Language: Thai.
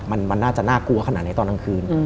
มันน่าจะน่ากลัวขนาดนี้ตอนกลางคืน